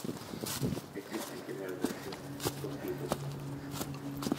Existen generalmente dos tipos.